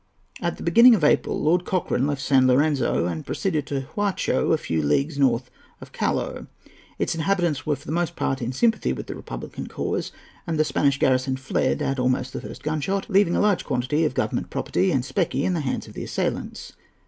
At the beginning of April, Lord Cochrane left San Lorenzo and proceeded to Huacho, a few leagues north of Callao. Its inhabitants were for the most part in sympathy with the republican cause, and the Spanish garrison fled at almost the first gunshot, leaving a large quantity of government property and specie in the hands of the assailants.